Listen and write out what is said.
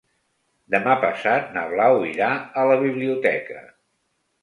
Demà passat na Blau irà a la biblioteca.